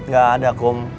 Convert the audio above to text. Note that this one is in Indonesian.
gak ada kum